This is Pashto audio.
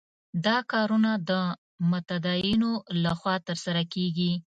دا کارونه د متدینو له خوا ترسره کېږي.